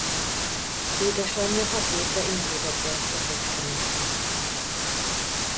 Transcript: Édesanyja hat évre intézetbe adta Kecskemétre.